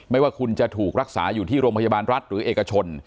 ว่าคุณจะถูกรักษาอยู่ที่โรงพยาบาลรัฐหรือเอกชน